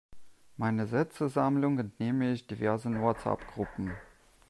Meine Sätzesammlung entnehme ich diversen Whatsappgruppen.